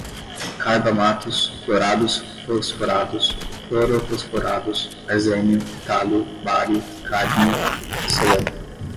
carbamatos, clorados, fosforados, clorofosforados, arsênio, tálio, bário, cádmio, selênio